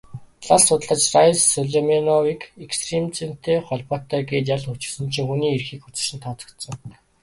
Лал судлаач Райс Сулеймановыг экстремизмтэй холбоотой гээд ял өгчихсөн чинь хүний эрхийг зөрчсөнд тооцогдсон.